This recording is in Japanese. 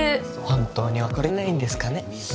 本当に別れないんですかね